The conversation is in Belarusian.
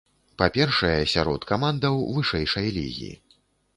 Па-першае, сярод камандаў вышэйшай лігі.